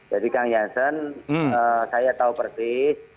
jadi kang yansen saya tahu persis